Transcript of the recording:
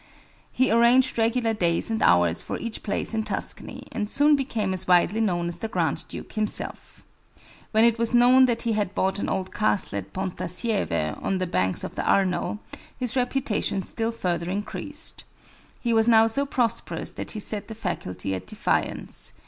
He arranged regular days and hours for each place in Tuscany, and soon became as widely known as the Grand Duke himself. When it was known that he had bought an old castle at Pontassieve on the banks of the Arno, his reputation still further increased. He was now so prosperous that he set the faculty at defiance.